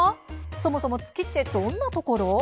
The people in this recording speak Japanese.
そもそも月ってどんなところ？